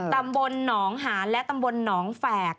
ตำบลหนองหานและตำบลหนองแฝก